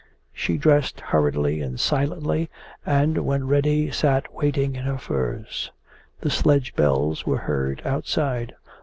She dressed hurriedly and silently, and when ready sat waiting in her furs. The sledge bells were heard outside.